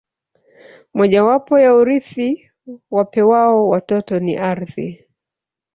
Mojawapo ya urithi wapewao watoto ni ardhi